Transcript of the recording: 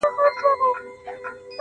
• تش کوهي ته په اوبو پسي لوېدلی -